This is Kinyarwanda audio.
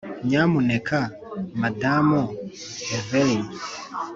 nyamuneka madamu avery